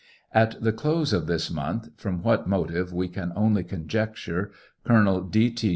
At the close of this month, from what motive we can only conjecture. Colonel D. T.